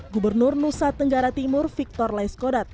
gubernur nusa tenggara timur victor laiskodat